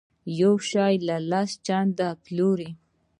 یو شی لس چنده پلوري.